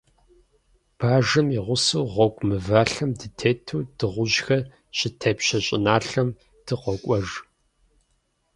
Бажэм и гъусэу, гъуэгу мывалъэм дытету, дыгъужьхэр щытепщэ щӀыналъэм дыкъокӀуэж.